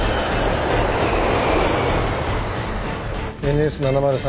ＮＳ７０３